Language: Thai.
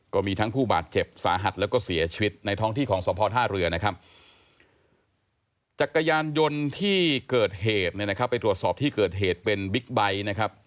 ก็มีทั้งผู้บาดเจ็บสาหัสแล้วก็เสียชีวิตในท้องที่ของสมภาท่าเรือนะครับ